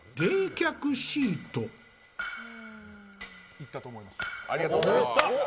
いったと思います。